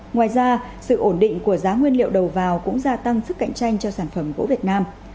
ngoài ra sự ổn định của giá nguyên liệu đầu vào cũng gia tăng sức cạnh tranh cho sản phẩm gỗ việt nam